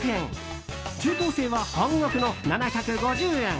中高生は半額の７５０円。